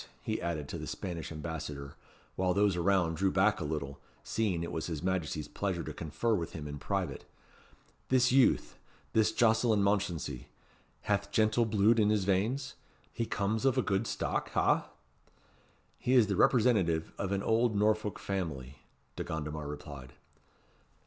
he added to the Spanish Ambassador, while those around drew back a little, seeing it was his Majesty's pleasure to confer with him in private, "this youth this Jocelyn Mounchensey, hath gentle bluid in his veins? he comes of a good stock, ha?" "He is the representative of an old Norfolk family," De Gondomar replied.